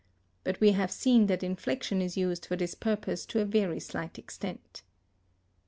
But we have seen that inflection is used for this purpose to a very slight extent.